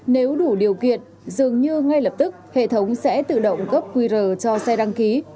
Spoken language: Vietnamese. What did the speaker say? nếu đủ điều kiện dường như ngay lập tức hệ thống sẽ tự động cấp qr cho xe đăng ký